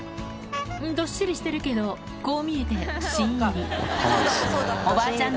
どっしりしてるけどこう見えて新入りおばあちゃん